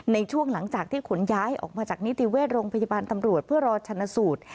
ในช่วงหลังจากที่ขนย้ายออกมาจากนิติเวชโรงพยาบาลตำรวจเพื่อรอชนะสูตร